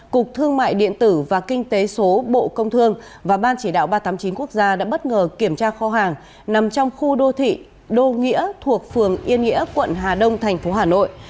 cục thương mại điện tử và kinh tế số bộ công thương và ban chỉ đạo ba trăm tám mươi chín quốc gia đã bất ngờ kiểm tra kho hàng nằm trong khu đô thị đô nghĩa thuộc phường yên nghĩa quận hà đông thành phố hà nội